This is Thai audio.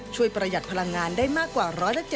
ประหยัดพลังงานได้มากกว่า๑๗๐